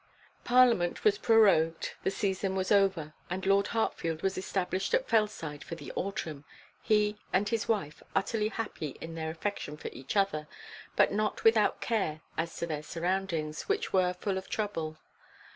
Parliament was prorogued; the season was over; and Lord Hartfield was established at Fellside for the autumn he and his wife utterly happy in their affection for each other, but not without care as to their surroundings, which were full of trouble.